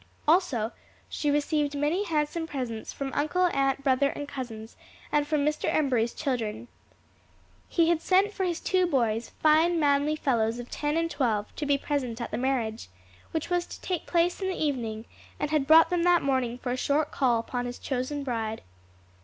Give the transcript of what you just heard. Also she received many handsome presents from uncle, aunt, brother and cousins, and from Mr. Embury's children. He had sent for his two boys, fine manly fellows of ten and twelve, to be present at the marriage, which was to take place in the evening, and had brought them that morning for a short call upon his chosen bride.